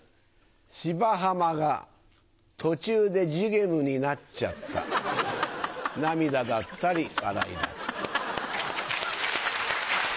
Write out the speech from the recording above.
『芝浜』が途中で『寿限無』になっちゃった涙だったり笑いだったり。